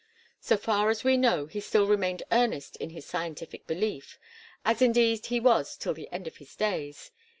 So far as we know he still remained earnest in his scientific belief as indeed he was till the end of his days.